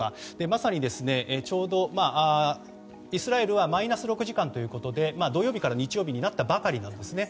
まさにちょうど、イスラエルはマイナス６時間ということで土曜日から日曜日になったばかりなんですね。